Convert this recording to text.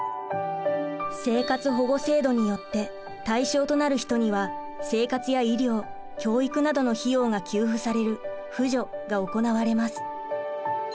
生活保護制度によって対象となる人には生活や医療教育などの費用が給付される扶助が行われます。